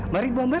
mari ibu ambar